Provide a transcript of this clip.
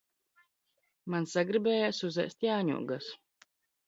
Man sagribējās uzēst jāņogas.